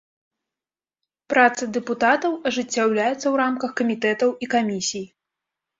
Праца дэпутатаў ажыццяўляецца ў рамках камітэтаў і камісій.